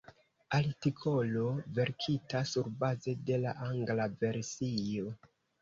Artikolo verkita surbaze de la angla versio.